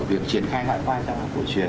việc triển khai loại vai trong học cổ truyền